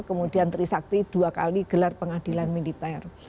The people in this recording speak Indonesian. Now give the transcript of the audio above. kemudian trisakti dua kali gelar pengadilan militer